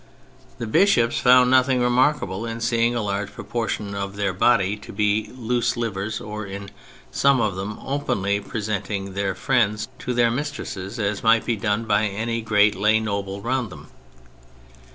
The bishops found nothing remarkable in seeing a large proportion of their body to be loose livers, or in some of them openly presenting their friends to their mistresses as might be done by any gi'eat lay noble round them.